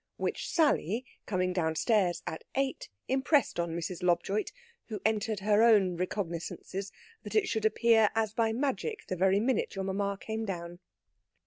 Which Sally, coming downstairs at eight, impressed on Mrs. Lobjoit, who entered her own recognisances that it should appear as by magic the very minute your mamma came down.